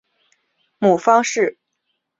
母方氏。